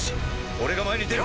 俺が前に出る。